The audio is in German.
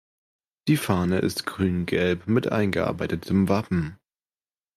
Die Fahne ist Grün-Gelb mit eingearbeitetem Wappen.